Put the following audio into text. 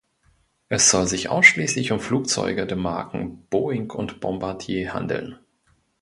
Es soll sich ausschließlich um Flugzeuge der Marken Boeing und Bombardier handeln.